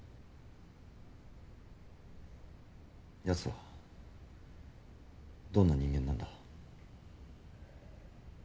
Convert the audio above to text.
やつはどんな人間なんだ？